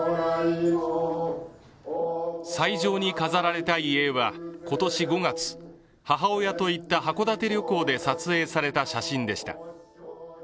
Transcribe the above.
斎場に飾られた遺影は今年５月母親と行った函館旅行で撮影された写真でした。